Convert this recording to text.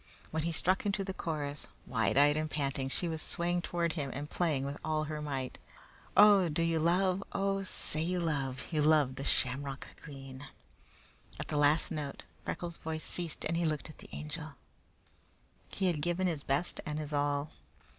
When he struck into the chorus, wide eyed and panting, she was swaying toward him and playing with all her might. "Oh, do you love? Oh, say you love You love the shamrock green!" At the last note, Freckles' voice ceased and he looked at the Angel. He had given his best and his all.